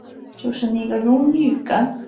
就是那个荣誉感